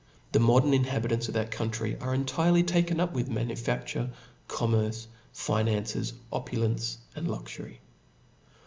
The modern inhabitants of that country are entirely taken up with manufacture, commerce, finances,r opulence, and luxury.